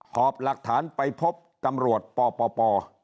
หอบหลักฐานไปพบตำรวจปป